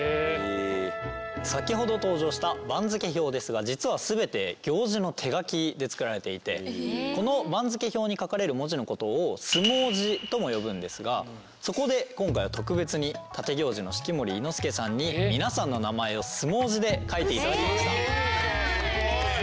先ほど登場した番付表ですが実は全て行司の手書きで作られていてこの番付表に書かれる文字のことを相撲字とも呼ぶんですがそこで今回は特別に立行司の式守伊之助さんに皆さんの名前を相撲字で書いていただきました。